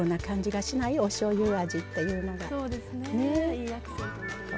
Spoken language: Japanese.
いいアクセントになりますね。